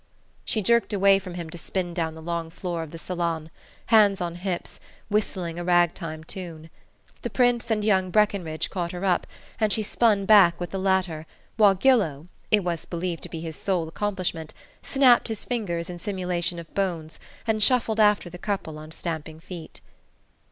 She jerked away from him to spin down the long floor of the sala, hands on hips, whistling a rag time tune. The Prince and young Breckenridge caught her up, and she spun back with the latter, while Gillow it was believed to be his sole accomplishment snapped his fingers in simulation of bones, and shuffled after the couple on stamping feet.